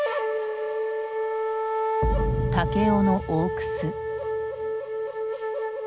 武雄の大楠。